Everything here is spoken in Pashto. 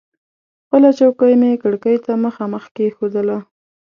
خپله چوکۍ مې کړکۍ ته مخامخ کېښودله.